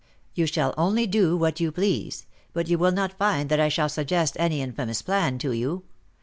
"You shall only do what you please; but you will not find that I shall suggest any infamous plan to you.